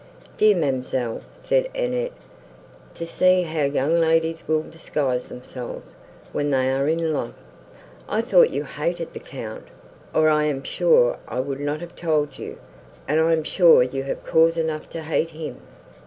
"Dear ma'amselle," said Annette, "to see how young ladies will disguise themselves, when they are in love! I thought you hated the Count, or I am sure I would not have told you; and I am sure you have cause enough to hate him."